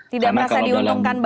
tidak terasa diuntungkan banget ya